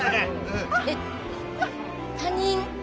えっ他人？